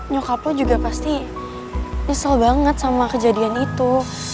nyokap lo juga pasti nyesel banget sama kejadian itu